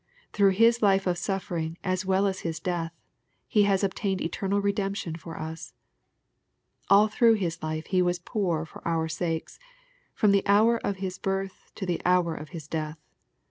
Through His life of suflfering, as well as His death, He has obtained eternal redemption for us. All through His life He was poor for our sakes, from the hour of His birth to the hour of His death.